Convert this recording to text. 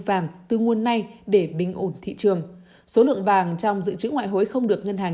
vàng từ nguồn này để bình ổn thị trường số lượng vàng trong dự trữ ngoại hối không được ngân hàng